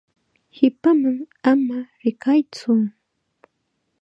Qipaman ama rikaytsu.